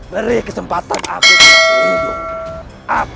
beri kesempatan aku untuk hidup